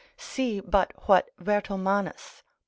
See but what Vertomannus, l.